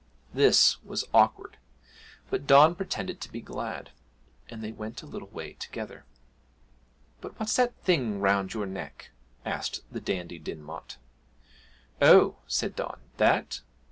This was awkward, but Don pretended to be glad, and they went a little way together. 'But what's that thing round your neck?' asked the Dandie Dinmont. 'Oh,' said Don, 'that?